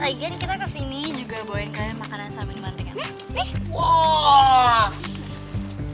lagi lagi kita kesini juga bawain kalian makanan sambil minuman dengan kita